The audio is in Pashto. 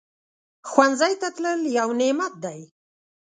ښوونځی ته تلل یو نعمت دی